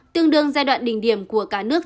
tương đương giai đoạn đỉnh điểm của cả nước